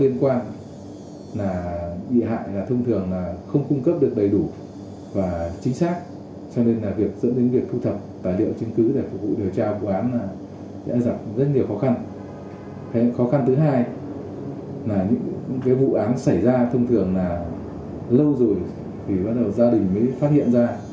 những vụ án xảy ra thông thường là lâu rồi thì bắt đầu gia đình mới phát hiện ra